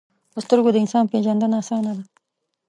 په سترګو د انسان پیژندنه آسانه ده